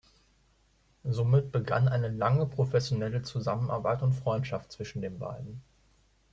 Somit begann eine lange professionelle Zusammenarbeit und Freundschaft zwischen den beiden.